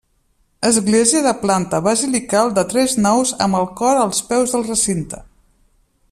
Església de planta basilical de tres naus amb el cor als peus del recinte.